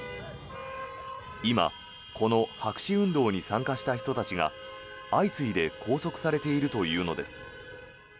今、この白紙運動に参加した人たちが相次いで拘束されているというのです。